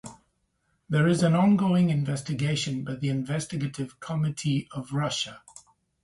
There is an ongoing investigation by the Investigative Committee of Russia.